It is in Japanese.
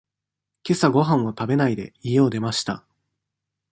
けさごはんを食べないで、家を出ました。